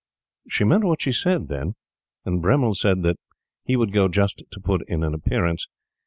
She meant what she said then, and Bremmil said that he would go just to put in an appearance.